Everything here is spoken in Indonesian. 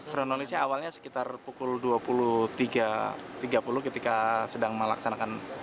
kronologisnya awalnya sekitar pukul dua puluh tiga tiga puluh ketika sedang melaksanakan